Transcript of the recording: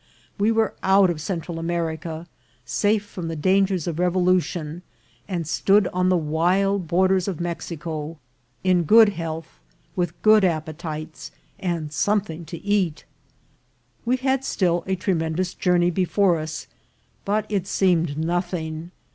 We were out of Central America, safe from the dangers of revolution, and stood on the wild borders of Mexico, in good health, with good appetites, and something to eat. We had still a tremendous journey before us, but it seemed nothing.